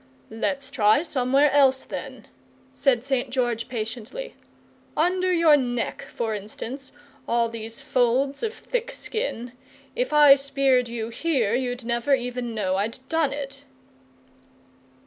"Let's try somewhere else, then," said St. George, patiently. "Under your neck, for instance, all these folds of thick skin, if I speared you here you'd never even know I'd done it!"